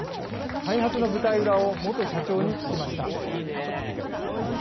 開発の舞台裏を元社長に聞きました。